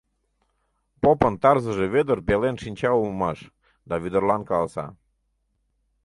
Попын тарзыже Вӧдыр пелен шинча улмаш да Вӧдырлан каласа: